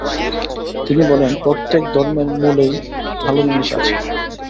তিনি বলেন, প্রত্যেক ধর্মের মূলেই ভাল জিনিষ আছে।